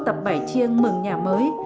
tập bảy chiêng mừng nhà mới